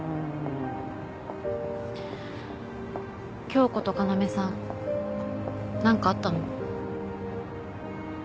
響子と要さん何かあったの？